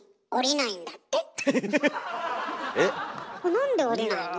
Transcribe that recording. なんで降りないの？